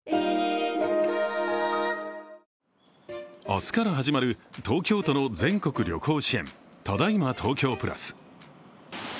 明日から始まる東京都の全国旅行支援ただいま東京プラス。